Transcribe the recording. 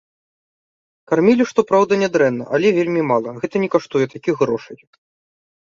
Кармілі, што праўда, нядрэнна, але вельмі мала, гэта не каштуе такіх грошай.